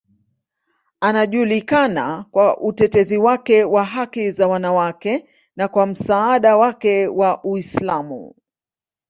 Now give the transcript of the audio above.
Anajulikana kwa utetezi wake wa haki za wanawake na kwa msaada wake wa Uislamu.